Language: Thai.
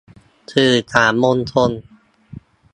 สื่อสารมวลชน